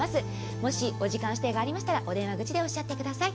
もしお時間指定がありましたら、お電話口でおっしゃってください。